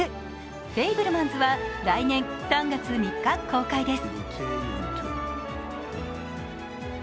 「フェイブルマンズ」は来年３月３日公開です。